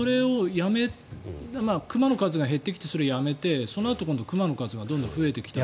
熊の数が減ってきてそれをやめてそのあと今度は熊の数がどんどん増えてきて。